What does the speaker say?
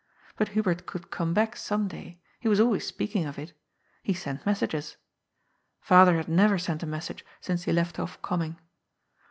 But Hubert could come back some day ; he was always speaking of it He sent messages. Father had never sent a message since he left oft coming.